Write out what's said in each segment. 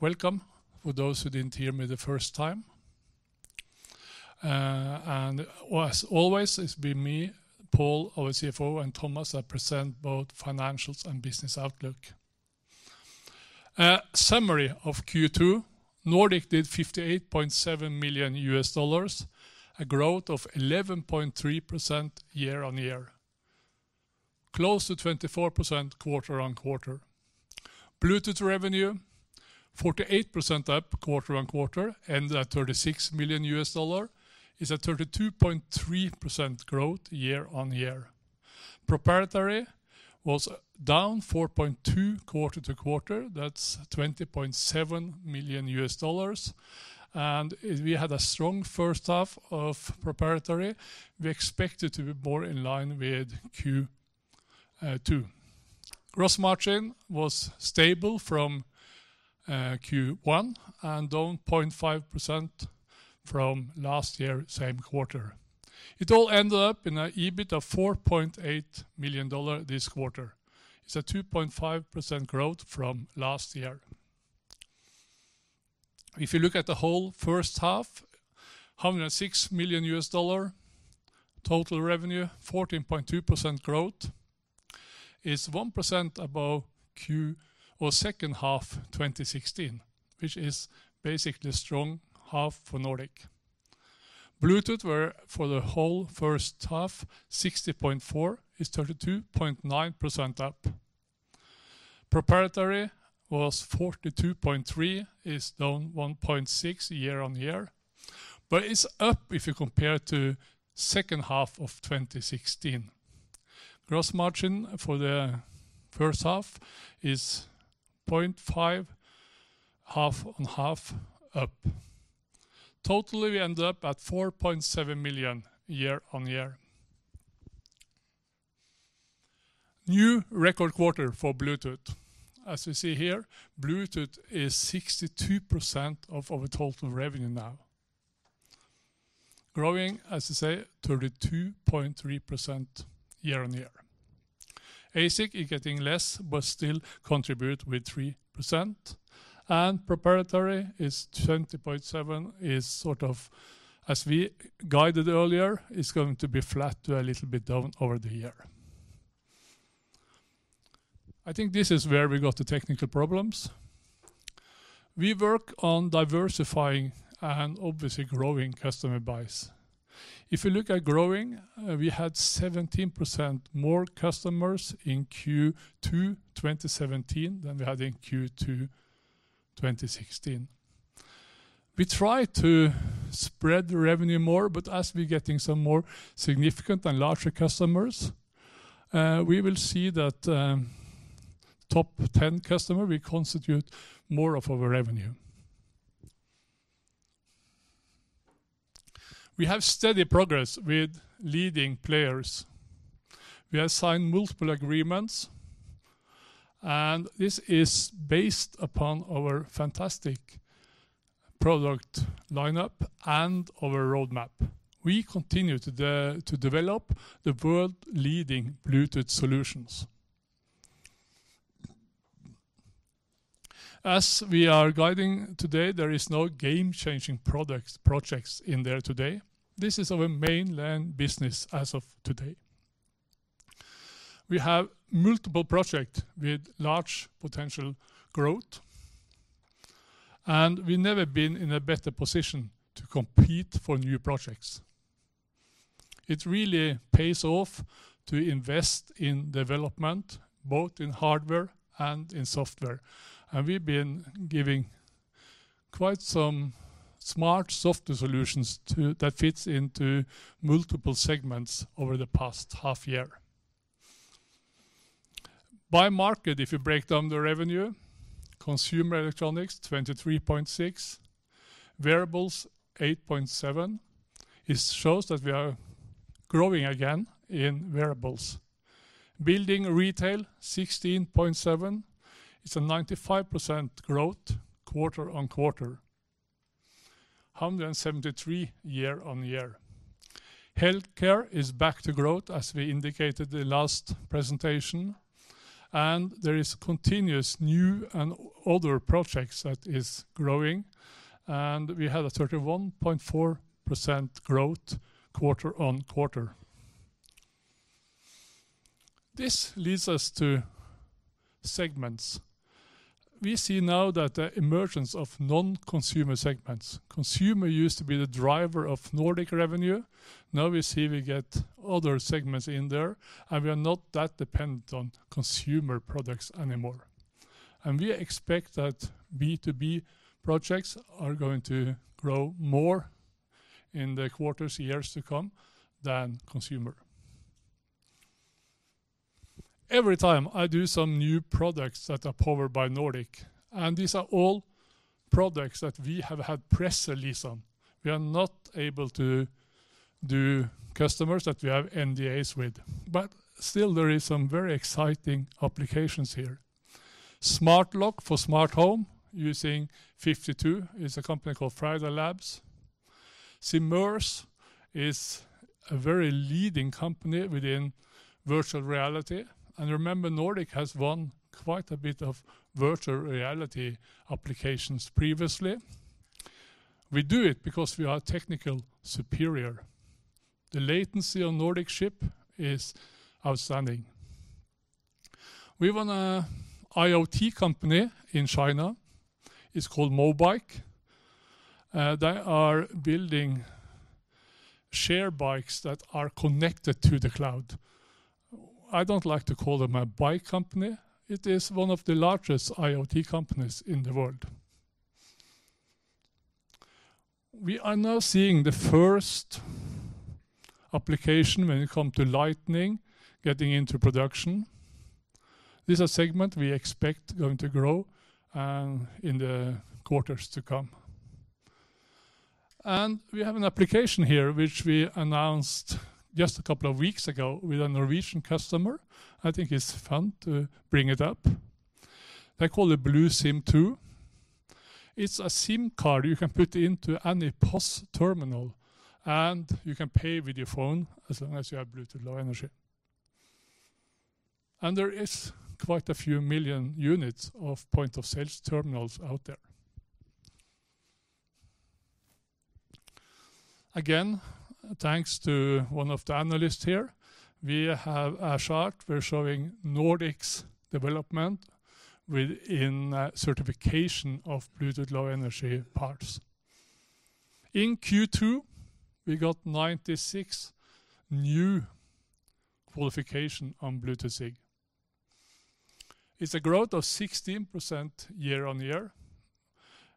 Welcome, for those who didn't hear me the first time. As always, it's been me, Pål, our CFO, and Thomas, that present both financials and business outlook. Summary of Q2: Nordic did $58.7 million, a growth of 11.3% year-on-year, close to 24% quarter-on-quarter. Bluetooth revenue, 48% up quarter-on-quarter, and at $36 million, is at 32.3% growth year-on-year. Proprietary was down 4.2% quarter-to-quarter, that's $20.7 million, and we had a strong first half of proprietary. We expect it to be more in line with Q2. Gross margin was stable from Q1 and down 0.5% from last year, same quarter. It all ended up in a EBIT of $4.8 million this quarter. It's a 2.5% growth from last year. If you look at the whole first half, $106 million, total revenue, 14.2% growth, is 1% above Q or second half 2016, which is basically a strong half for Nordic. Bluetooth were, for the whole first half, $60.4 million, is 32.9% up. Proprietary was $42.3 million, is down 1.6% year-on-year, but it's up if you compare to second half of 2016. Gross margin for the first half is 0.5%, half-on-half up. Totally, we end up at $4.7 million year-on-year. New record quarter for Bluetooth. As you see here, Bluetooth is 62% of our total revenue now. Growing, as I say, 32.3% year-on-year. ASIC is getting less, but still contribute with 3%. Proprietary is 20.7%, is sort of, as we guided earlier, is going to be flat to a little bit down over the year. I think this is where we got the technical problems. We work on diversifying and obviously growing customer base. If you look at growing, we had 17% more customers in Q2 2017 than we had in Q2 2016. We try to spread the revenue more. As we're getting some more significant and larger customers, we will see that top 10 customer will constitute more of our revenue. We have steady progress with leading players. We have signed multiple agreements. This is based upon our fantastic product lineup and our roadmap. We continue to develop the world-leading Bluetooth solutions. As we are guiding today, there is no game-changing products, projects in there today. This is our mainland business as of today. We have multiple project with large potential growth. We've never been in a better position to compete for new projects. It really pays off to invest in development, both in hardware and in software, and we've been giving quite some smart software solutions that fits into multiple segments over the past half year. By market, if you break down the revenue, consumer electronics, 23.6, wearables, 8.7. It shows that we are growing again in wearables. Building and retail, 16.7, is a 95% growth quarter-on-quarter, 173 year-on-year. Healthcare is back to growth, as we indicated the last presentation, and there is continuous new and other projects that is growing, and we had a 31.4% growth quarter-on-quarter. This leads us to segments. We see now that the emergence of non-consumer segments. Consumer used to be the driver of Nordic revenue. Now we see we get other segments in there, and we are not that dependent on consumer products anymore. We expect that B2B projects are going to grow more in the quarters, years to come than consumer. Every time I do some new products that are powered by Nordic, and these are all products that we have had press release on. We are not able to do customers that we have NDAs with, but still there is some very exciting applications here. Smart lock for smart home using nRF52, is a company called Friday Labs. Immerse is a very leading company within virtual reality. Remember, Nordic has won quite a bit of virtual reality applications previously. We do it because we are technical superior. The latency on Nordic chip is outstanding. We won a IoT company in China. It's called Mobike. They are building share bikes that are connected to the cloud. I don't like to call them a bike company. It is one of the largest IoT companies in the world. We are now seeing the first application when it come to lighting, getting into production. This is a segment we expect going to grow in the quarters to come. We have an application here, which we announced just a couple of weeks ago with a Norwegian customer. I think it's fun to bring it up. They call it BlueSIM2. It's a SIM card you can put into any POS terminal, and you can pay with your phone as long as you have Bluetooth Low Energy. There is quite a few million units of point-of-sales terminals out there. Again, thanks to one of the analysts here, we have a chart. We're showing Nordic's development within certification of Bluetooth Low Energy parts. In Q2, we got 96 new qualification on Bluetooth SIG. It's a growth of 16% year-on-year.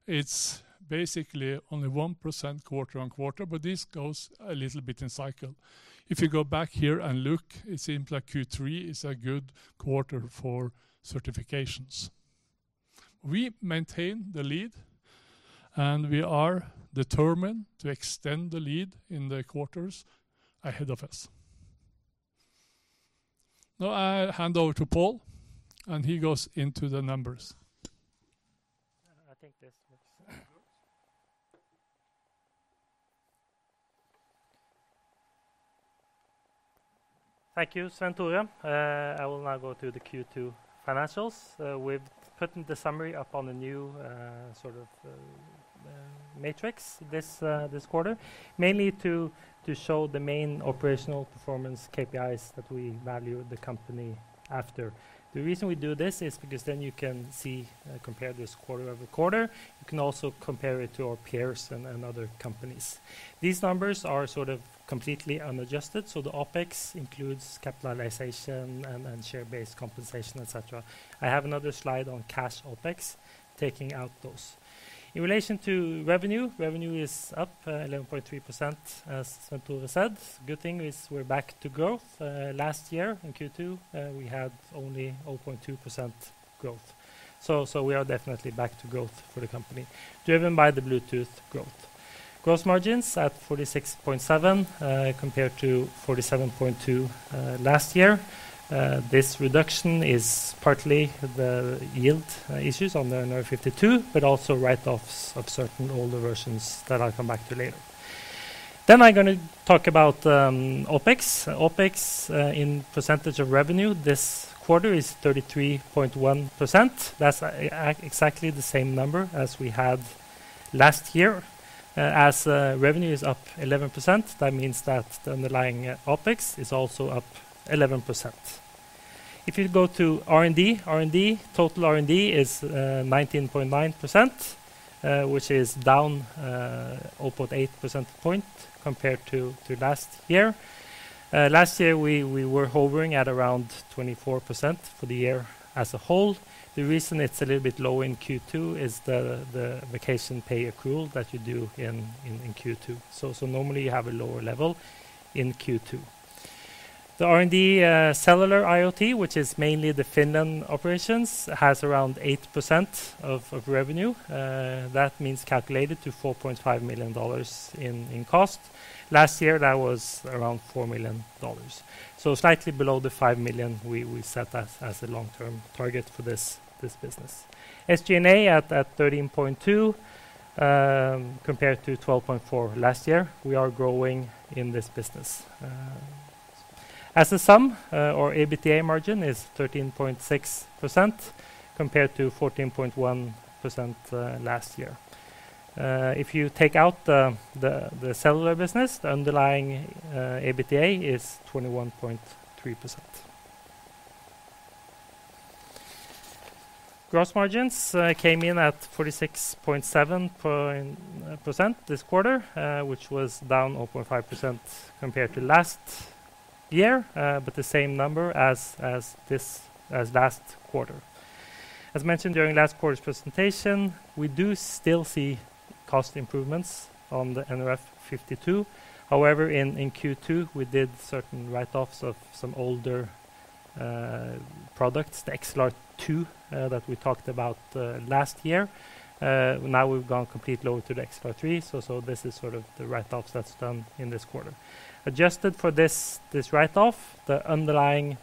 It's basically only 1% quarter-on-quarter, but this goes a little bit in cycle. If you go back here and look, it seems like Q3 is a good quarter for certifications. We maintain the lead, and we are determined to extend the lead in the quarters ahead of us. Now, I hand over to Pål, and he goes into the numbers. I think this looks-. Mm-hmm. Thank you, Svenn-Tore. I will now go to the Q2 financials. we've put the summary up on a new sort of matrix this quarter, mainly to show the main operational performance KPIs that we value the company after. The reason we do this is because then you can see compare this quarter over quarter. You can also compare it to our peers and other companies. These numbers are sort of completely unadjusted, so the OpEx includes capitalization and share-based compensation, et cetera. I have another slide on cash OpEx, taking out those. In relation to revenue, revenue is up 11.3%, as Svenn-Tore said. Good thing is we're back to growth. last year in Q2, we had only 0.2% growth. We are definitely back to growth for the company, driven by the Bluetooth growth. Gross margins at 46.7% compared to 47.2% last year. This reduction is partly the yield issues on the nRF52, but also write-offs of certain older versions that I'll come back to later. I'm gonna talk about OpEx. OpEx in percentage of revenue this quarter is 33.1%. That's exactly the same number as we had last year. As revenue is up 11%, that means that the underlying OpEx is also up 11%. If you go to R&D, R&D, total R&D is 19.9%, which is down 0.8 percent point compared to last year. Last year, we, we were hovering at around 24% for the year as a whole. The reason it's a little bit low in Q2 is the, the vacation pay accrual that you do in, in, in Q2. Normally, you have a lower level in Q2. The R&D, cellular IoT, which is mainly the Finland operations, has around 8% of, of revenue. That means calculated to $4.5 million in, in cost. Last year, that was around $4 million. Slightly below the $5 million we, we set as, as a long-term target for this, this business. SG&A at, at 13.2, compared to 12.4 last year, we are growing in this business. As a sum, our EBITDA margin is 13.6%, compared to 14.1% last year. If you take out the, the, the cellular business, the underlying EBITDA is 21.3%. Gross margins came in at 46.7% this quarter, which was down 0.5% compared to last year, but the same number as last quarter. As mentioned during last quarter's presentation, we do still see cost improvements on the nRF52. In Q2, we did certain write-offs of some older products, the nRF24L2, that we talked about last year. Now we've gone completely over to the nRF24L3, so this is sort of the write-offs that's done in this quarter. Adjusted for this, this write-off, the underlying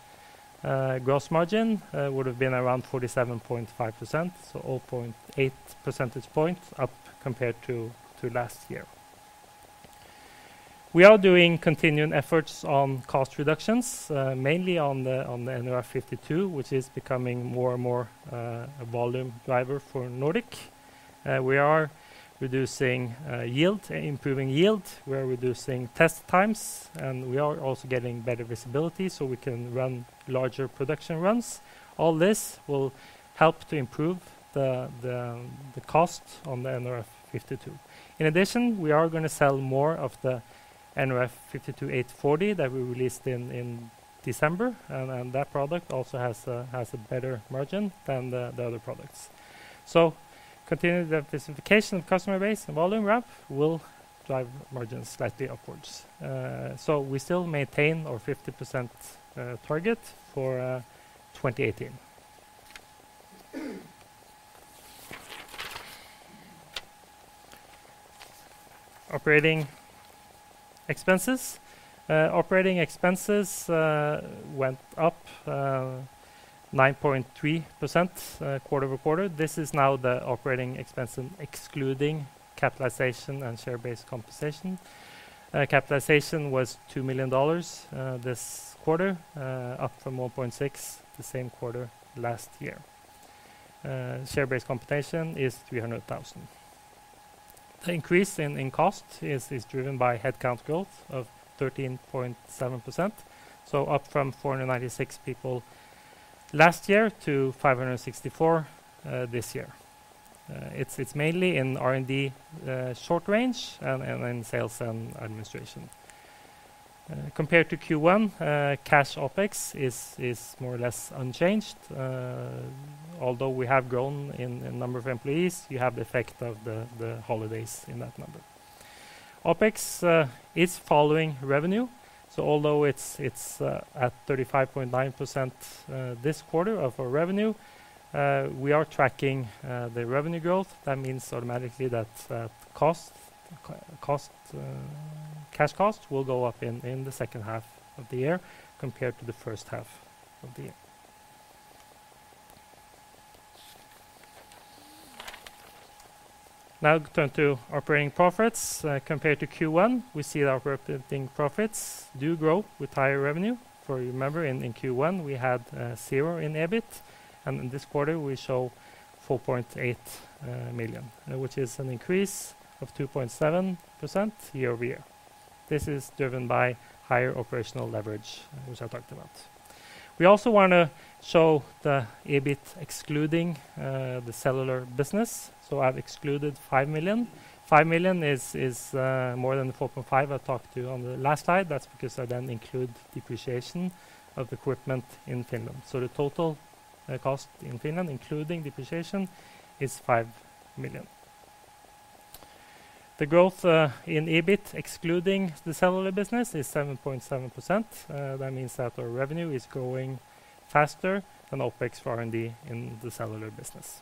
gross margin would have been around 47.5%, so 0.8 percentage points up compared to last year. We are doing continuing efforts on cost reductions, mainly on the nRF52, which is becoming more and more a volume driver for Nordic. We are reducing yield, improving yield, we are reducing test times, and we are also getting better visibility, so we can run larger production runs. All this will help to improve the cost on the nRF52. In addition, we are going to sell more of the nRF52840 that we released in December, and that product also has a better margin than the other products. Continuing the specification of customer base and volume ramp will drive margins slightly upwards. We still maintain our 50% target for 2018. Operating expenses. Operating expenses went up 9.3% quarter-over-quarter. This is now the operating expense in excluding capitalization and share-based compensation. Capitalization was $2 million, this quarter, up from $1.6 million, the same quarter last year. Share-based compensation is $300,000. The increase in, in cost is, is driven by headcount growth of 13.7%, so up from 496 people last year to 564, this year. It's, it's mainly in R&D, short range and, and in sales and administration. Compared to Q1, cash OpEx is, is more or less unchanged. Although we have grown in, in number of employees, you have the effect of the, the holidays in that number. OpEx is following revenue, so although it's, it's at 35.9% this quarter of our revenue, we are tracking the revenue growth. That means automatically that cost, cash cost will go up in the second half of the year compared to the first half of the year. Now turn to operating profits. Compared to Q1, we see that operating profits do grow with higher revenue. You remember, in Q1, we had zero in EBIT, and in this quarter, we show $4.8 million, which is an increase of 2.7% year-over-year. This is driven by higher operational leverage, which I talked about. We also want to show the EBIT excluding the cellular business, so I've excluded $5 million. $5 million is, is more than the $4.5 million I talked to you on the last slide. That's because I then include depreciation of the equipment in Finland. So the total cost in Finland, including depreciation, is $5 million. The growth in EBIT, excluding the cellular business, is 7.7%. That means that our revenue is growing faster than OpEx R&D in the cellular business.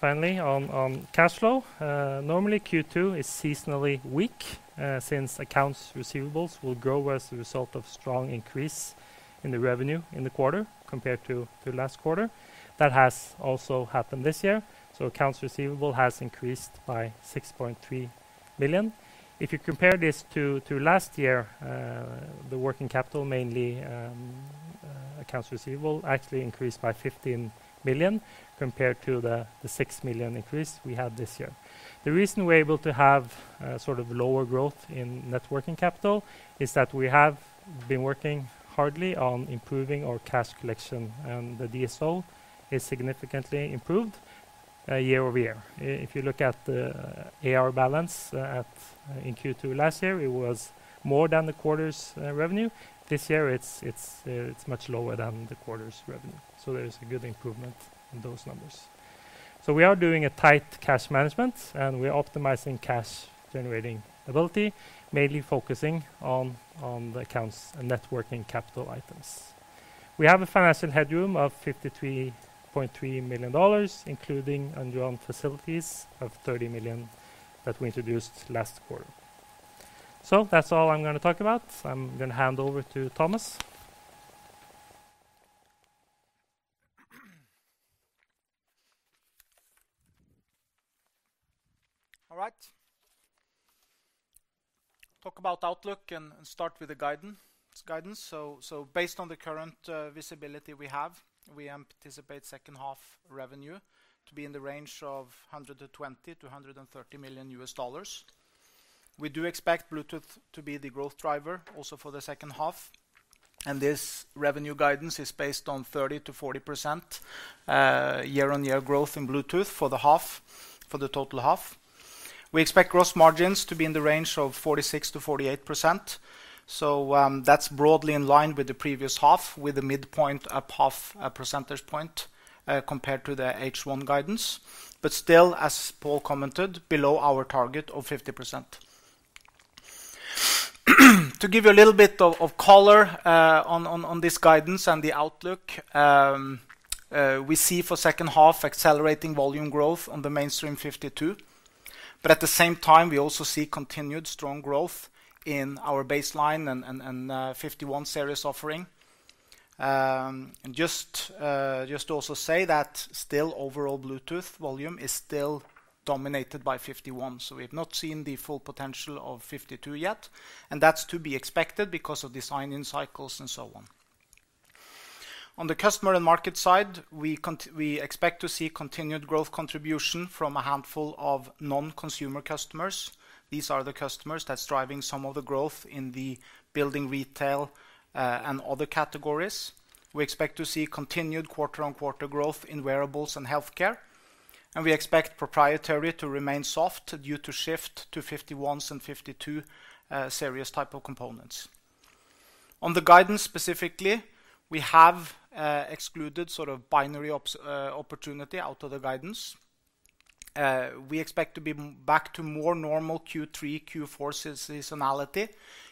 Finally, on, on cash flow, normally, Q2 is seasonally weak, since accounts receivables will grow as a result of strong increase in the revenue in the quarter compared to, to last quarter. That has also happened this year, so accounts receivable has increased by $6.3 million. If you compare this to, to last year, the working capital, mainly, accounts receivable, actually increased by $15 million compared to the $6 million increase we had this year. The reason we're able to have, sort of lower growth in net working capital is that we have been working hardly on improving our cash collection, the DSO is significantly improved year-over-year. If you look at the AR balance at, in Q2 last year, it was more than the quarter's revenue. This year, it's, it's much lower than the quarter's revenue, there is a good improvement in those numbers. We are doing a tight cash management, we're optimizing cash-generating ability, mainly focusing on, on the accounts and net working capital items. We have a financial headroom of $53.3 million, including undrawn facilities of $30 million that we introduced last quarter. That's all I'm gonna talk about. I'm gonna hand over to Thomas. All right. Talk about outlook and start with the guidance. Based on the current visibility we have, we anticipate second half revenue to be in the range of $120 million-$130 million. We do expect Bluetooth to be the growth driver also for the second half, and this revenue guidance is based on 30%-40% year-on-year growth in Bluetooth for the half, for the total half. We expect gross margins to be in the range of 46%-48%. That's broadly in line with the previous half, with a midpoint up 0.5 percentage point compared to the H1 guidance, but still, as Pål commented, below our target of 50%. To give you a little bit of, of color on this guidance and the outlook, we see for second half, accelerating volume growth on the mainstream nRF52. At the same time, we also see continued strong growth in our baseline and nRF51 Series offering. Just also say that still overall Bluetooth volume is still dominated by nRF51. We have not seen the full potential of nRF52 yet, and that's to be expected because of design-in cycles, and so on. On the customer and market side, we expect to see continued growth contribution from a handful of non-consumer customers. These are the customers that's driving some of the growth in the building, retail, and other categories. We expect to see continued quarter-over-quarter growth in wearables and healthcare, and we expect proprietary to remain soft due to shift to nRF51s and nRF52s series type of components. On the guidance, specifically, we have excluded sort of binary ops opportunity out of the guidance. We expect to be back to more normal Q3, Q4 seasonality.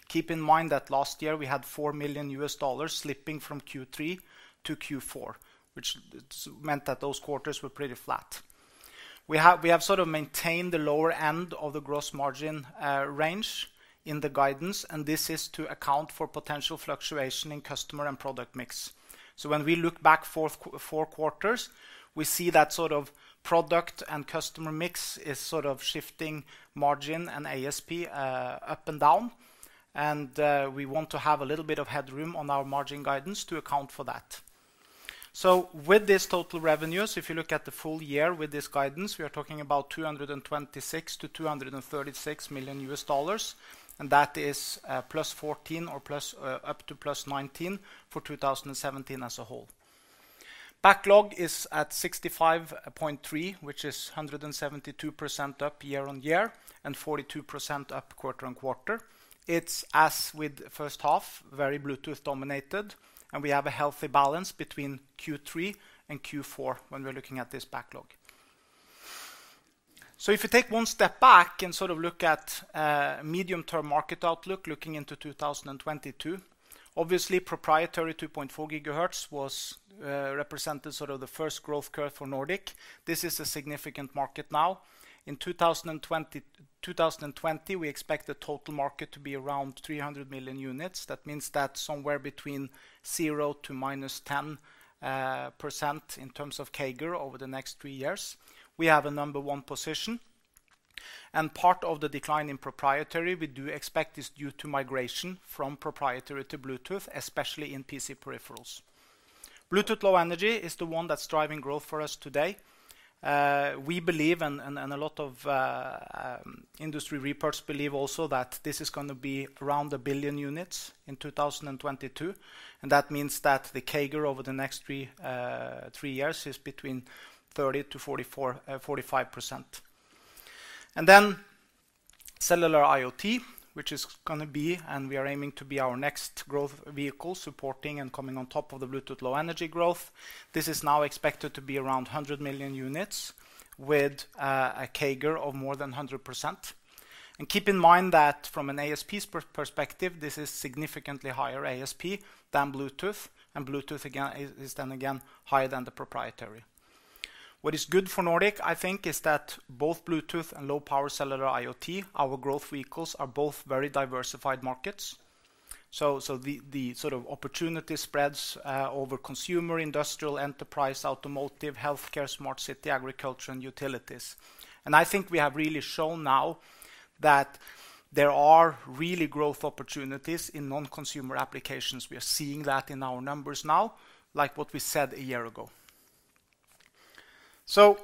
Keep in mind that last year we had $4 million slipping from Q3 to Q4, which meant that those quarters were pretty flat. We have, we have sort of maintained the lower end of the gross margin range in the guidance, and this is to account for potential fluctuation in customer and product mix. When we look back forth four quarters, we see that sort of product and customer mix is sort of shifting margin and ASP up and down, and we want to have a little bit of headroom on our margin guidance to account for that. With this total revenues, if you look at the full year with this guidance, we are talking about $226 million-$236 million, and that is +14% or +19% for 2017 as a whole. Backlog is at $65.3 million, which is 172% up year-on-year, and 42% up quarter-on-quarter. It's as with first half, very Bluetooth dominated, and we have a healthy balance between Q3 and Q4 when we're looking at this backlog. If you take one step back and sort of look at medium-term market outlook, looking into 2022, obviously, proprietary 2.4 GHz was represented sort of the first growth curve for Nordic. This is a significant market now. In 2020, we expect the total market to be around 300 million units. That means that somewhere between 0 to -10% in terms of CAGR over the next three years. We have a number one position, and part of the decline in proprietary, we do expect, is due to migration from proprietary to Bluetooth, especially in PC peripherals. Bluetooth Low Energy is the one that's driving growth for us today. We believe and a lot of industry reports believe also that this is gonna be around 1 billion units in 2022. That means that the CAGR over the next three years is between 30%-45%. Then Cellular IoT, which is gonna be, and we are aiming to be our next growth vehicle, supporting and coming on top of the Bluetooth Low Energy growth. This is now expected to be around 100 million units with a CAGR of more than 100%. Keep in mind that from an ASP perspective, this is significantly higher ASP than Bluetooth. Bluetooth again, is then again higher than the proprietary. What is good for Nordic, I think, is that both Bluetooth and low power Cellular IoT, our growth vehicles, are both very diversified markets. So, so the, the sort of opportunity spreads over consumer, industrial, enterprise, automotive, healthcare, smart city, agriculture, and utilities. I think we have really shown now that there are really growth opportunities in non-consumer applications. We are seeing that in our numbers now, like what we said a year ago. To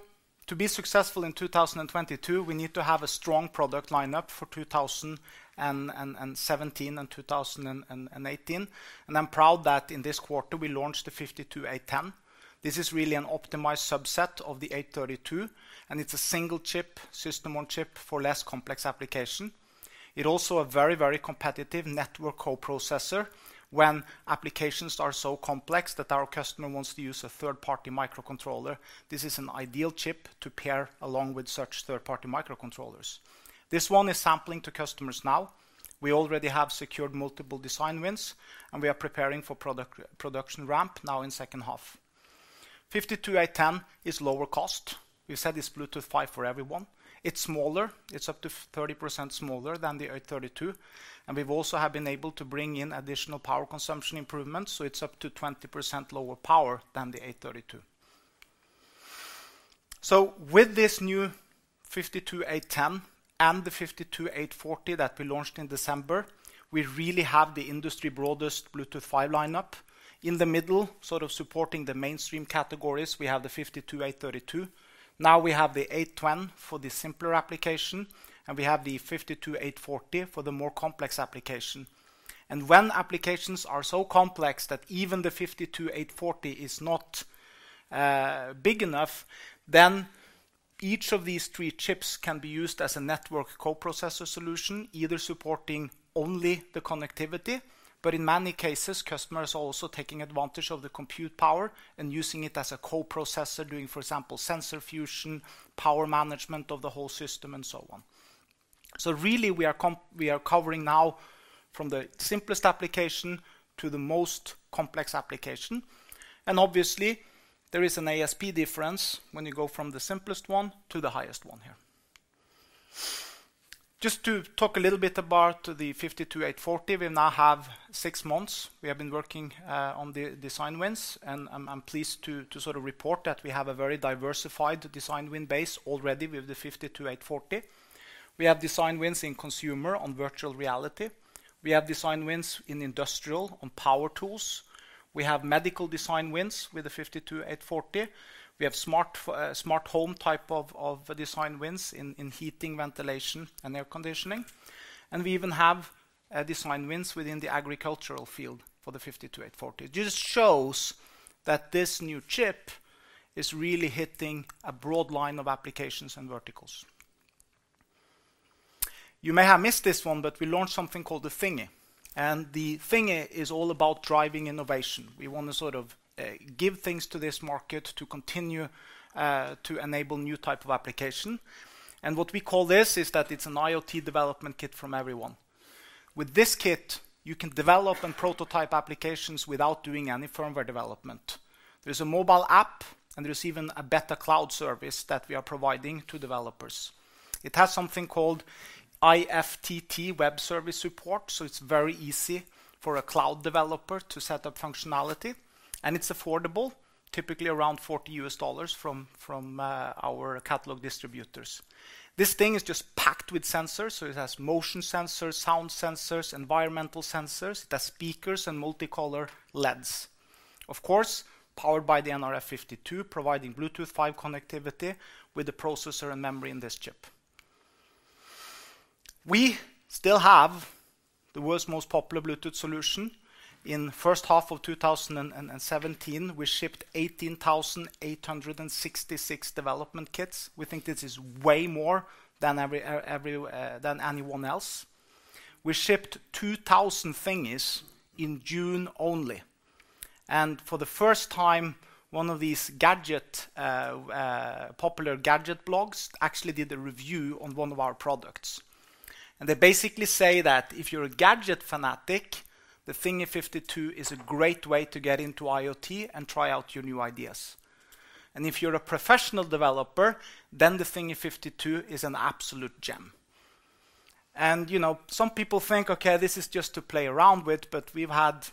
be successful in 2022, we need to have a strong product lineup for 2017 and 2018, and I'm proud that in this quarter we launched the nRF52810. This is really an optimized subset of the nRF52832, and it's a single chip, system on chip for less complex application. It also a very, very competitive Network Co-Processor. When applications are so complex that our customer wants to use a third-party microcontroller, this is an ideal chip to pair along with such third-party microcontrollers. This one is sampling to customers now. We already have secured multiple design wins, and we are preparing for production ramp now in second half. nRF52810 is lower cost. We said it's Bluetooth 5 for everyone. It's smaller. It's up to 30% smaller than the nRF52832, and we've also have been able to bring in additional power consumption improvements, so it's up to 20% lower power than the nRF52832. With this new nRF52810 and the nRF52840 that we launched in December, we really have the industry broadest Bluetooth 5 lineup. In the middle, sort of supporting the mainstream categories, we have the nRF52832. Now we have the nRF52810 for the simpler application, and we have the nRF52840 for the more complex application. When applications are so complex that even the nRF52840 is not big enough, then each of these three chips can be used as a Network Co-Processor solution, either supporting only the connectivity. In many cases, customers are also taking advantage of the compute power and using it as a co-processor, doing, for example, sensor fusion, power management of the whole system, and so on. Really we are covering now from the simplest application to the most complex application, and obviously, there is an ASP difference when you go from the simplest one to the highest one here. Just to talk a little bit about the nRF52840, we now have six months. We have been working on the design wins. I'm pleased to sort of report that we have a very diversified design win base already with the nRF52840. We have design wins in consumer on virtual reality. We have design wins in industrial, on power tools. We have medical design wins with the nRF52840. We have smart home type of design wins in heating, ventilation, and air conditioning. We even have design wins within the agricultural field for the nRF52840. This shows that this new chip is really hitting a broad line of applications and verticals. You may have missed this one. We launched something called the Thingy. The Thingy is all about driving innovation. We want to sort of give things to this market to continue to enable new type of application. What we call this is that it's an IoT development kit from everyone. With this kit, you can develop and prototype applications without doing any firmware development. There is a mobile app, there is even a better cloud service that we are providing to developers. It has something called IFTTT web service support, so it's very easy for a cloud developer to set up functionality, and it's affordable, typically around $40 from our catalog distributors. This thing is just packed with sensors, so it has motion sensors, sound sensors, environmental sensors, it has speakers, and multicolor LEDs. Of course, powered by the nRF52, providing Bluetooth 5 connectivity with the processor and memory in this chip. We still have the world's most popular Bluetooth solution. In first half of 2017, we shipped 18,866 development kits. We think this is way more than everyone else. We shipped 2,000 Thingies in June only, for the first time, one of these gadget popular gadget blogs actually did a review on one of our products. They basically say that if you're a gadget fanatic, the Thingy:52 is a great way to get into IoT and try out your new ideas. If you're a professional developer, then the Thingy:52 is an absolute gem. You know, some people think, okay, this is just to play around with, but we've had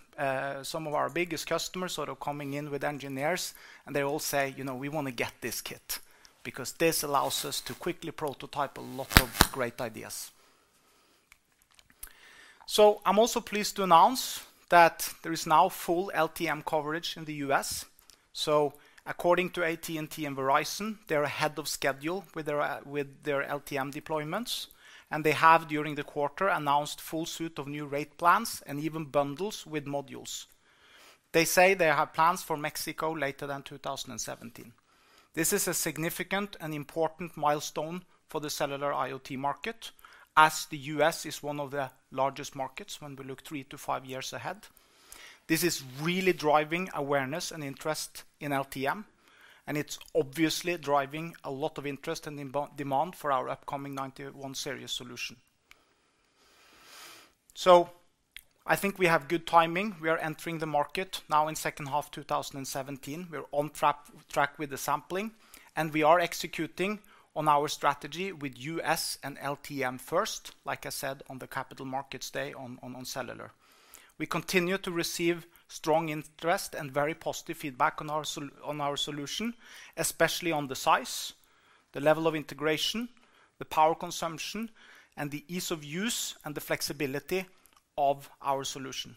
some of our biggest customers sort of coming in with engineers, and they all say: You know, we wanna get this kit, because this allows us to quickly prototype a lot of great ideas. I'm also pleased to announce that there is now full LTE-M coverage in the US. According to AT&T and Verizon, they're ahead of schedule with their with their LTE-M deployments, and they have, during the quarter, announced full suite of new rate plans and even bundles with modules. They say they have plans for Mexico later than 2017. This is a significant and important milestone for the cellular IoT market, as the U.S. is one of the largest markets when we look three to five years ahead. This is really driving awareness and interest in LTE-M, and it's obviously driving a lot of interest and demand for our upcoming nRF91 Series solution. I think we have good timing. We are entering the market now in second half 2017. We're on track with the sampling, and we are executing on our strategy with U.S. and LTE-M first, like I said, on the Capital Markets Day on cellular. We continue to receive strong interest and very positive feedback on our solution, especially on the size, the level of integration, the power consumption, and the ease of use, and the flexibility of our solution.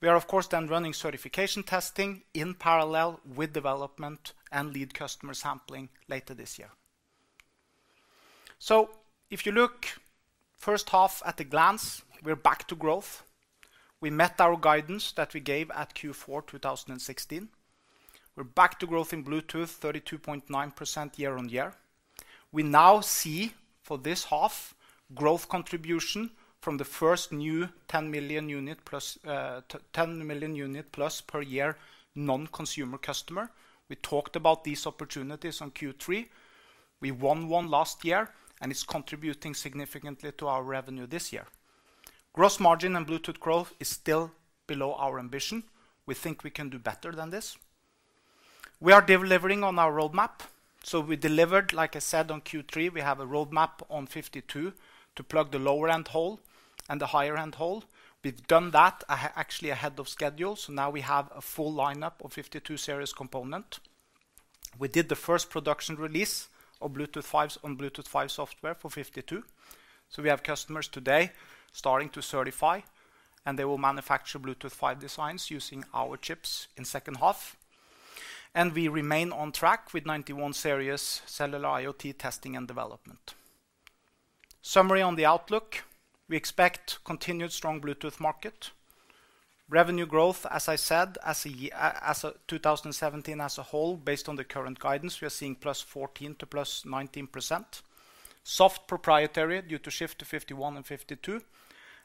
We are, of course, then running certification testing in parallel with development and lead customer sampling later this year. If you look first half at a glance, we're back to growth. We met our guidance that we gave at Q4 2016. We're back to growth in Bluetooth, 32.9% year-over-year. We now see, for this half, growth contribution from the first new 10 million unit plus, 10 million unit plus per year, non-consumer customer. We talked about these opportunities on Q3. It's contributing significantly to our revenue this year. Gross margin and Bluetooth growth is still below our ambition. We think we can do better than this. We are delivering on our roadmap, we delivered, like I said, on Q3, we have a roadmap on nRF52 to plug the lower-end hole and the higher-end hole. We've done that actually ahead of schedule, now we have a full lineup of nRF52 Series component. We did the first production release of Bluetooth 5 on Bluetooth 5 software for nRF52. We have customers today starting to certify, and they will manufacture Bluetooth 5 designs using our chips in second half. We remain on track with nRF91 Series cellular IoT testing and development. Summary on the outlook, we expect continued strong Bluetooth market. Revenue growth, as I said, as a 2017 as a whole, based on the current guidance, we are seeing +14% to +19%. Soft proprietary due to shift to nRF51 and nRF52,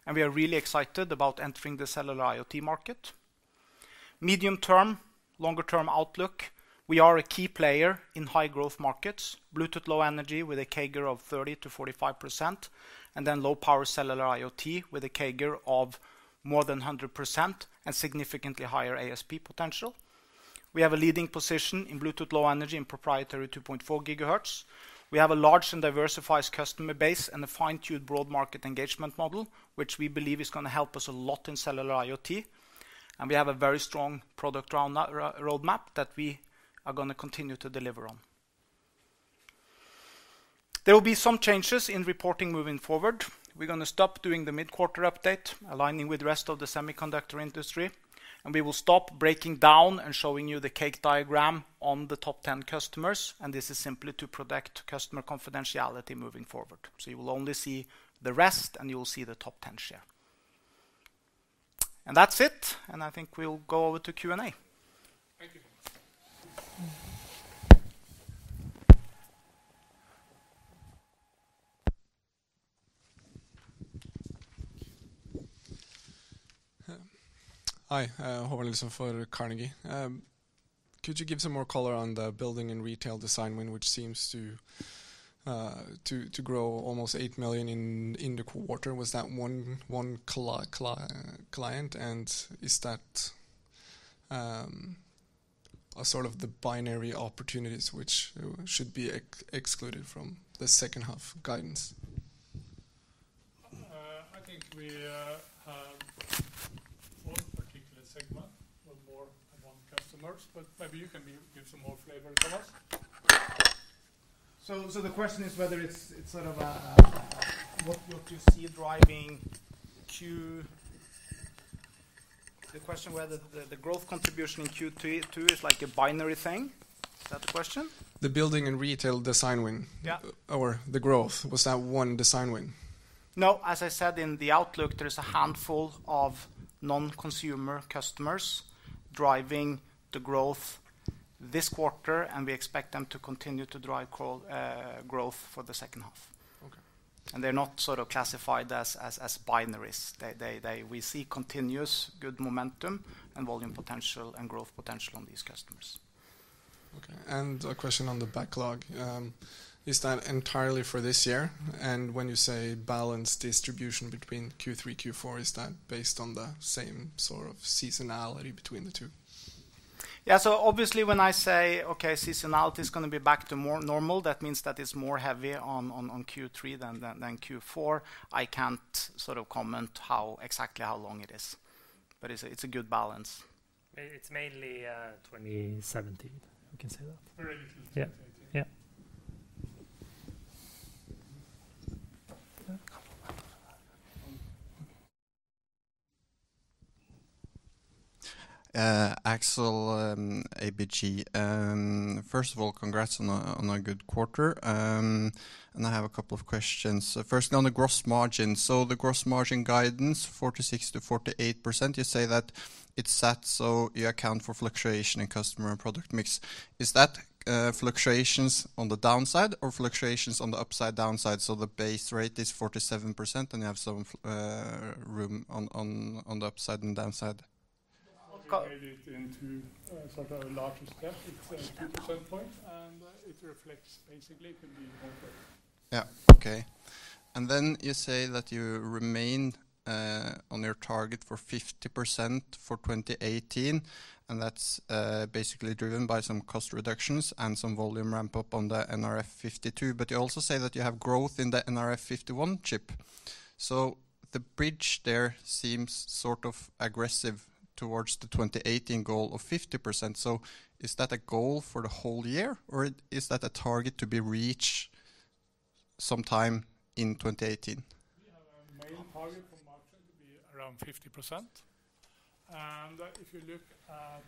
and we are really excited about entering the cellular IoT market. Medium term, longer term outlook, we are a key player in high growth markets, Bluetooth Low Energy, with a CAGR of 30%-45%, and then low-power cellular IoT with a CAGR of more than 100% and significantly higher ASP potential. We have a leading position in Bluetooth Low Energy and proprietary 2.4 GHz. We have a large and diversified customer base and a fine-tuned broad market engagement model, which we believe is going to help us a lot in cellular IoT, and we have a very strong product road map that we are going to continue to deliver on. There will be some changes in reporting moving forward. We're going to stop doing the mid-quarter update, aligning with the rest of the semiconductor industry, and we will stop breaking down and showing you the cake diagram on the top 10 customers, and this is simply to protect customer confidentiality moving forward. You will only see the rest, and you will see the top 10 share. That's it, and I think we'll go over to Q&A. Thank you. Hi, Håkon Løseth for Carnegie. Could you give some more color on the building and retail design win, which seems to grow almost $8 million in the quarter? Was that one client, and is that a sort of the binary opportunities which should be excluded from the second half guidance? I think we have one particular segment, with more among customers, but maybe you can give, give some more flavor, Thomas. So the question is whether it's, it's sort of a, a, what would you see driving The question whether the, the growth contribution in Q3, Q2 is like a binary thing? Is that the question? The building and retail design win- Yeah. The growth, was that one design win? No. As I said, in the outlook, there is a handful of non-consumer customers driving the growth this quarter, and we expect them to continue to drive grow, growth for the second half. Okay. They're not sort of classified as binaries. We see continuous good momentum and volume potential and growth potential on these customers. Okay, and a question on the backlog. Is that entirely for this year? When you say balanced distribution between Q3, Q4, is that based on the same sort of seasonality between the two? Yeah. Obviously, when I say, okay, seasonality is going to be back to more normal, that means that it's more heavy on, on, on Q3 than, than, than Q4. I can't sort of comment how, exactly how long it is, but it's a, it's a good balance. It's mainly, 2017. We can say that. Very easy. Yeah. Yeah. Axel, ABG. First of all, congrats on a good quarter. I have a couple of questions. Firstly, on the gross margin. The gross margin guidance, 46%-48%, you say that it's set, so you account for fluctuation in customer and product mix. Is that fluctuations on the downside or fluctuations on the upside, downside, so the base rate is 47%, and you have some room on the upside and downside? Go- We made it into, sort of a larger step. It's a 2% point, and it reflects basically it will be more clear. Yeah. Okay. You say that you remain on your target for 50% for 2018, and that's basically driven by some cost reductions and some volume ramp-up on the nRF52. You also say that you have growth in the nRF51 chip. The bridge there seems sort of aggressive towards the 2018 goal of 50%. Is that a goal for the whole year, or is that a target to be reached sometime in 2018? We have a main target for margin to be around 50%. If you look at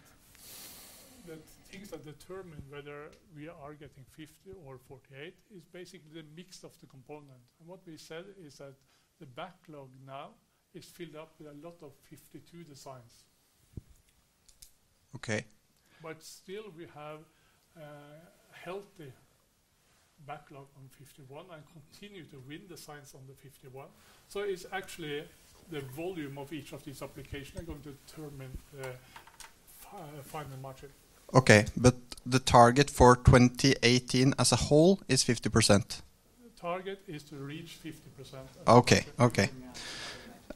the things that determine whether we are getting 50 or 48, is basically the mix of the component. What we said is that the backlog now is filled up with a lot of 52 designs. Okay. Still, we have a healthy backlog on nRF51 and continue to win designs on the nRF51. It's actually the volume of each of these applications are going to determine the final margin. Okay, the target for 2018 as a whole is 50%? The target is to reach 50%. Okay. Okay.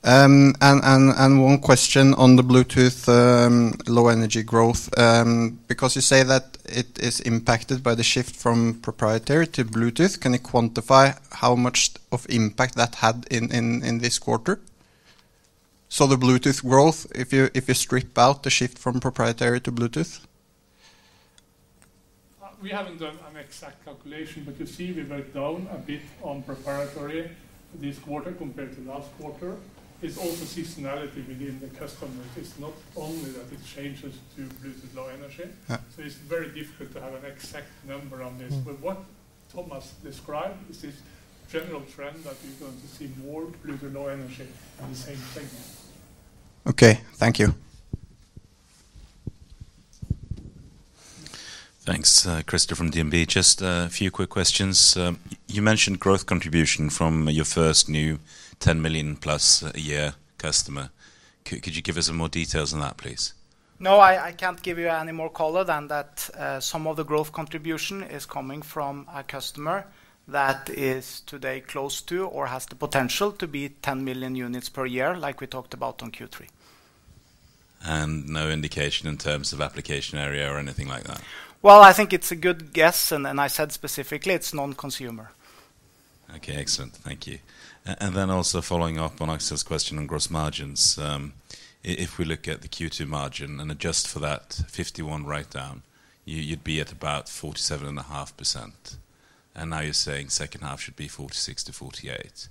Yeah. One question on the Bluetooth Low Energy growth, because you say that it is impacted by the shift from proprietary to Bluetooth, can you quantify how much of impact that had in, in, in this quarter? The Bluetooth growth, if you, if you strip out the shift from proprietary to Bluetooth. We haven't done an exact calculation, you see, we went down a bit on proprietary this quarter compared to last quarter. It's also seasonality within the customers. It's not only that it changes to Bluetooth Low Energy. Uh. It's very difficult to have an exact number on this. Mm. What Thomas described is this general trend that we're going to see more Bluetooth Low Energy in the same segment. Okay, thank you. Thanks, Christoffer from DNB Markets. Just a few quick questions. You mentioned growth contribution from your first new 10 million plus a year customer. Could you give us some more details on that, please? No, I can't give you any more color than that, some of the growth contribution is coming from a customer that is today close to, or has the potential to be 10 million units per year, like we talked about on Q3. No indication in terms of application area or anything like that? Well, I think it's a good guess, and, and I said specifically, it's non-consumer. Okay, excellent. Thank you. Then also following up on Axel's question on gross margins, if we look at the Q2 margin and adjust for that nRF51 write down, you'd be at about 47.5%. Now you're saying second half should be 46%-48%.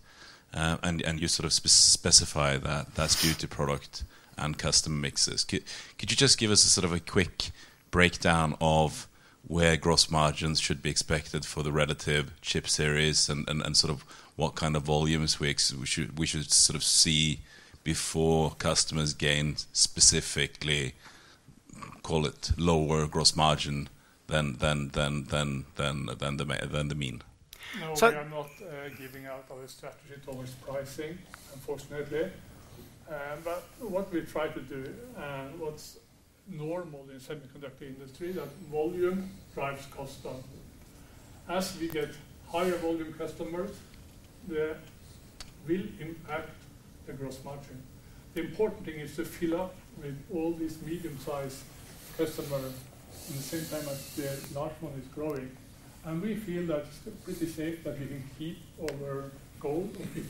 You sort of specify that that's due to product and customer mixes. Could you just give us a sort of a quick breakdown of where gross margins should be expected for the relative chip series and, and, and sort of what kind of volumes we should sort of see before customers gain, specifically, call it lower gross margin than the mean? No, we are not giving out our strategy towards pricing, unfortunately. What we try to do, and what's normal in semiconductor industry, that volume drives cost down. As we get higher volume customers, that will impact the gross margin. The important thing is to fill up with all these medium-sized customer in the same time as the large one is growing, and we feel that's pretty safe, that we can keep our goal of 50%.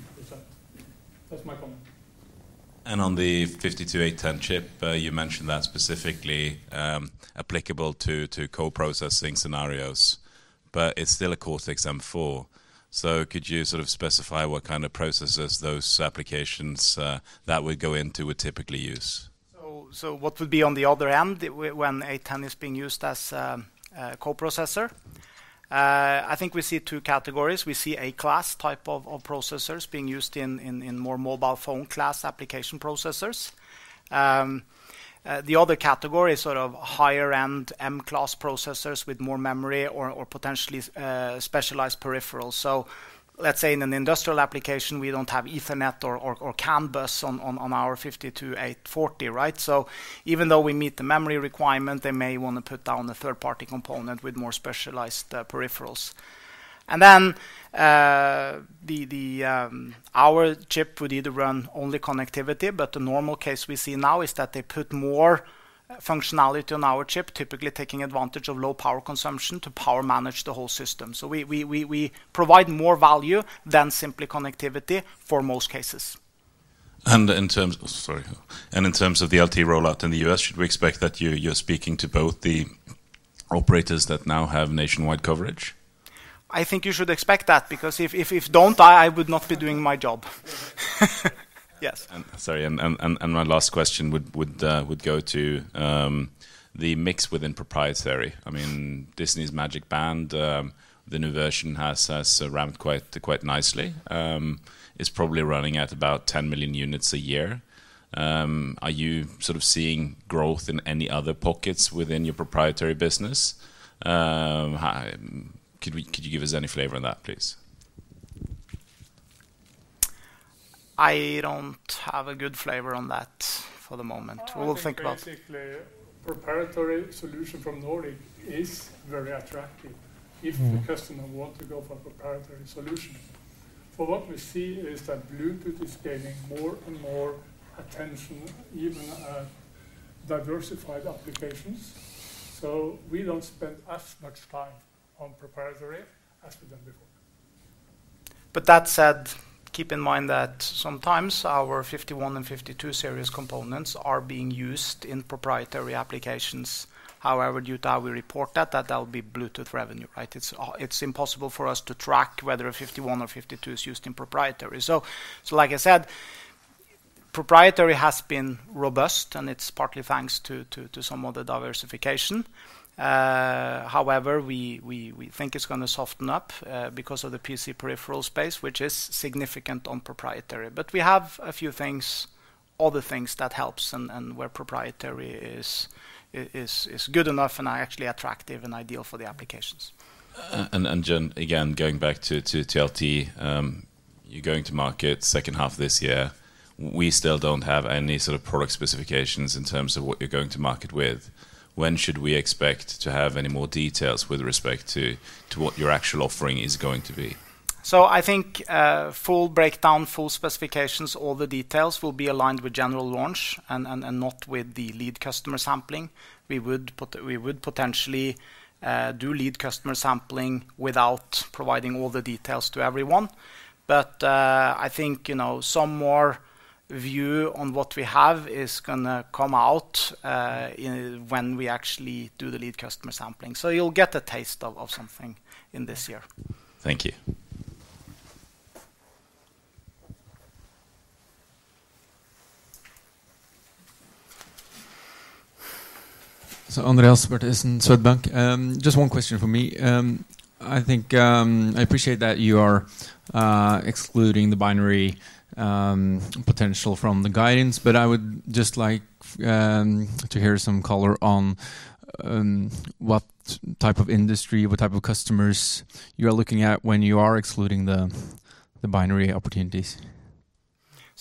That's my comment. On the nRF52810 chip, you mentioned that specifically, applicable to, to co-processing scenarios, but it's still a Cortex-M4. Could you sort of specify what kind of processes those applications, that would go into would typically use? What would be on the other end when A10 is being used as a co-processor? I think we see two categories. We see A-class type of processors being used in more mobile phone class application processors. The other category is sort of higher-end M-class processors with more memory or potentially, specialized peripherals. Let's say in an industrial application, we don't have Ethernet or CAN bus on our nRF52840, right? Even though we meet the memory requirement, they may wanna put down a third-party component with more specialized, peripherals. Our chip would either run only connectivity. The normal case we see now is that they put more functionality on our chip, typically taking advantage of low power consumption to power manage the whole system. We, we, we, we provide more value than simply connectivity for most cases. Sorry. In terms of the LT rollout in the U.S., should we expect that you, you're speaking to both the operators that now have nationwide coverage? I think you should expect that, because if don't, I would not be doing my job. Yes. Sorry, and, and, and, and my last question would, would go to the mix within proprietary. I mean, Disney's MagicBand, the new version has, has ramped quite, quite nicely. It's probably running at about 10 million units a year. Are you sort of seeing growth in any other pockets within your proprietary business? How... Could you give us any flavor on that, please? I don't have a good flavor on that for the moment. We'll think about- I think basically, proprietary solution from Nordic is very attractive. Mm. if the customer want to go for a proprietary solution. What we see is that Bluetooth is gaining more and more attention, even as diversified applications. We don't spend as much time on proprietary as we done before. That said, keep in mind that sometimes our nRF51 and nRF52 Series components are being used in proprietary applications. Due to how we report that, that, that will be Bluetooth revenue, right? It's impossible for us to track whether a nRF51 or nRF52 is used in proprietary. Like I said, proprietary has been robust, and it's partly thanks to some of the diversification. We think it's gonna soften up because of the PC peripheral space, which is significant on proprietary. We have a few things, other things that helps and, and where proprietary is good enough and are actually attractive and ideal for the applications. Again, going back to LTE-M, you're going to market second half of this year. We still don't have any sort of product specifications in terms of what you're going to market with. When should we expect to have any more details with respect to, to what your actual offering is going to be? I think full breakdown, full specifications, all the details will be aligned with general launch and, and, and not with the lead customer sampling. We would potentially do lead customer sampling without providing all the details to everyone. I think, you know, some more view on what we have is gonna come out when we actually do the lead customer sampling. You'll get a taste of, of something in this year. Thank you. André Elsen, Swedbank. Just one question for me. I think I appreciate that you are excluding the binary potential from the guidance, but I would just like to hear some color on what type of industry, what type of customers you are looking at when you are excluding the binary opportunities.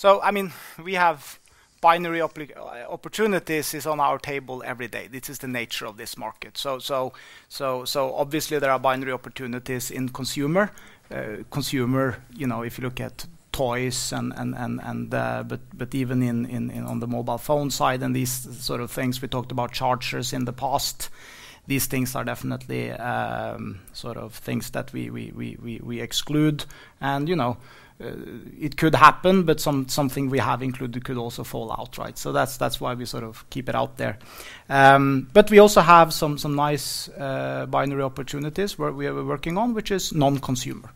I mean, we have binary opportunities is on our table every day. This is the nature of this market. Obviously, there are binary opportunities in consumer. Consumer, you know, if you look at toys but even in on the mobile phone side and these sort of things, we talked about chargers in the past, these things are definitely sort of things that we exclude. You know, it could happen, but something we have included could also fall out, right? That's, that's why we sort of keep it out there. But we also have some, some nice binary opportunities where we are working on, which is non-consumer.